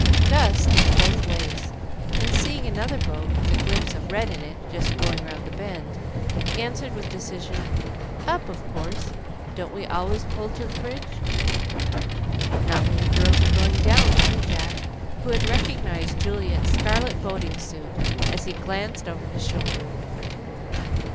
Gus looked both ways, and seeing another boat with a glimpse of red in it just going round the bend, answered, with decision, "Up, of course. Don't we always pull to the bridge?" "Not when the girls are going down," laughed Jack, who had recognized Juliet's scarlet boating suit as he glanced over his shoulder.